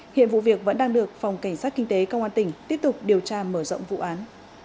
hiện vụ việc vẫn đang được phòng cảnh sát kinh tế công an tỉnh tiếp tục điều tra mở rộng vụ án